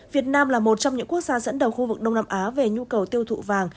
việt nam là một trong những quốc gia dẫn đầu khu vực đông nam á về nhu cầu tiêu thụ vàng